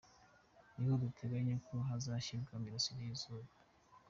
Niho duteganya ko hazashyirwa imirasire y’izuba.